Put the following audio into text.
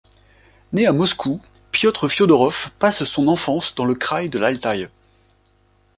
Né à Moscou, Piotr Fiodorov passe son enfance dans le kraï de l'Altaï.